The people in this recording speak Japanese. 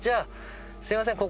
すいません。